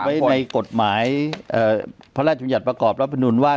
มันบรรยัดไว้ในกฎหมายพระราชมนตร์ประกอบรับพนุนว่า